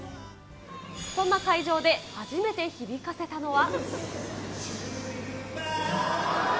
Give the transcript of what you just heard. そんな会場で、初めて響かせたのは。